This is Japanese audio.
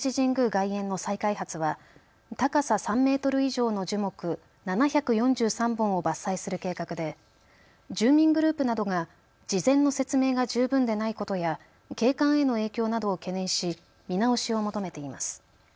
外苑の再開発は高さ３メートル以上の樹木７４３本を伐採する計画で住民グループなどが事前の説明が十分でないことや景観への影響などを懸念し見直しを求めています。